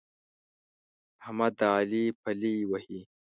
احمد د علي پلې وهي.